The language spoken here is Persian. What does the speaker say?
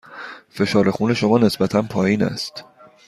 فشار خون شما نسبتاً پایین است.